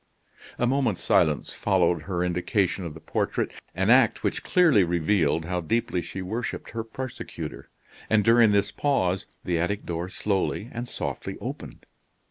A moment's silence followed her indication of the portrait an act which clearly revealed how deeply she worshiped her persecutor; and during this pause the attic door slowly and softly opened.